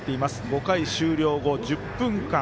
５回終了後１０分間。